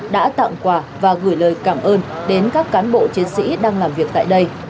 đã tặng quà và gửi lời cảm ơn đến các cán bộ chiến sĩ đang làm việc tại đây